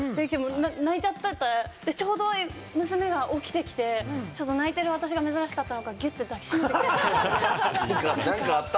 泣いちゃってて、ちょうど娘が起きてきて、泣いてる私が珍しかったのかギュって抱きしめてくれて。